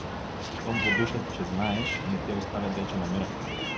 Щом подушат, че знаеш, не те оставят вече на мира.